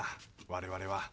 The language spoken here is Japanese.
我々は。